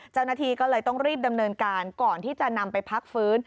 เจ้าหน้าที่ก็เลยต้องรีบดำเนินการก่อนที่จะนำไปพักฟื้น